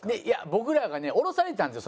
僕らがね降ろされたんですよ